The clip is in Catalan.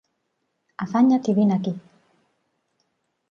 Afanya't i vine aquí.